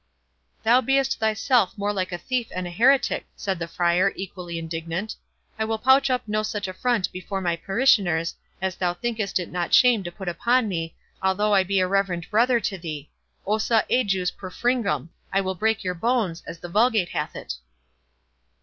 "Thou be'st thyself more like a thief and a heretic," said the Friar, equally indignant; "I will pouch up no such affront before my parishioners, as thou thinkest it not shame to put upon me, although I be a reverend brother to thee. 'Ossa ejus perfringam', I will break your bones, as the Vulgate hath it."